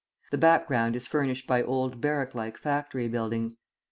The background is furnished by old barrack like factory buildings.